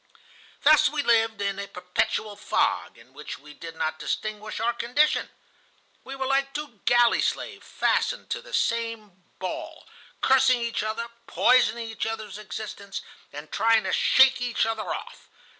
"Thus we lived in a perpetual fog, in which we did not distinguish our condition. We were like two galley slaves fastened to the same ball, cursing each other, poisoning each other's existence, and trying to shake each other off.